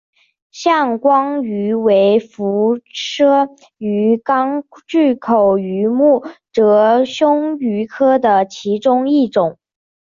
象烛光鱼为辐鳍鱼纲巨口鱼目褶胸鱼科的其中一种。